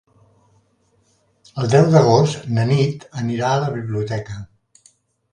El deu d'agost na Nit anirà a la biblioteca.